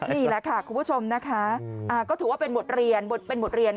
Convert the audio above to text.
นี่แหละค่ะคุณผู้ชมนะคะก็ถือว่าเป็นหมวดเรียน